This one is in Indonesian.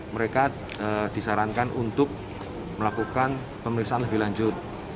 mereka disarankan untuk melakukan pemeriksaan lebih lanjut